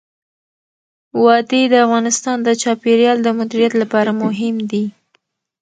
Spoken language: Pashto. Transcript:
وادي د افغانستان د چاپیریال د مدیریت لپاره مهم دي.